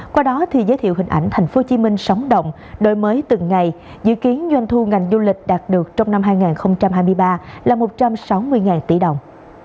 qua đó thì giới thiệu hình ảnh tp hcm sóng động đổi mới từng ngày dự kiến doanh thu ngành du lịch đạt được trong năm hai nghìn hai mươi ba là một trăm sáu mươi tỷ đồng